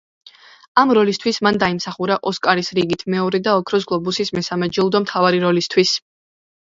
ამ როლისთვის მან დაიმსახურა ოსკარის რიგით მეორე და ოქროს გლობუსის მესამე ჯილდო მთავარი როლისთვის.